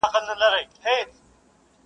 له مودو وروسته پر ښو خوړو مېلمه وو.!